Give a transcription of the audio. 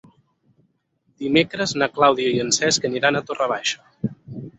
Dimecres na Clàudia i en Cesc aniran a Torre Baixa.